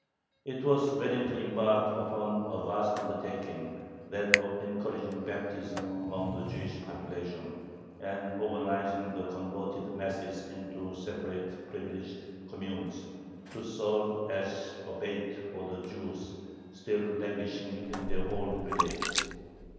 It was ready to embark upon a vast undertaking, that of encouraging baptism among the Jewish population, and organizing the converted masses into separate, privileged communes, to serve as a bait for the Jews still languishing in their old beliefs.